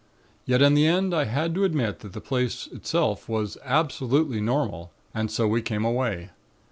"Yet, in the end I had to admit that the place itself was absolutely normal and so we came away.